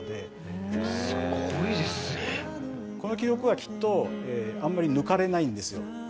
この記録はきっとあんまり抜かれないんですよ。